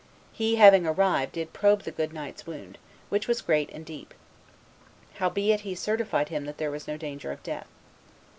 He, having arrived, did probe the good knight's wound, which was great and deep; howbeit he certified him that there was no danger of death.